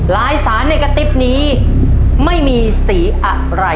รายสารเนกติฟนี้ไม่มีสีอะไร